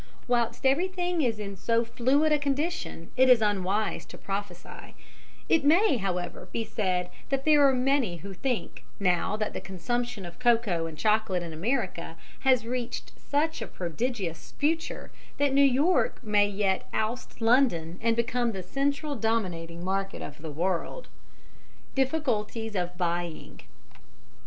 Whilst everything is in so fluid a condition it is unwise to prophesy; it may, however, be said that there are many who think, now that the consumption of cocoa and chocolate in America has reached such a prodigious figure, that New York may yet oust London and become the central dominating market of the world. [Illustration: SURF BOATS BY THE SIDE OF THE OCEAN LINER, ACCRA.] _Difficulties of Buying.